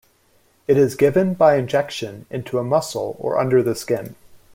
It is given by injection into a muscle or under the skin.